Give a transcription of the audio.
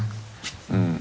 うん。